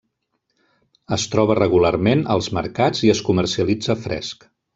Es troba regularment als mercats i es comercialitza fresc.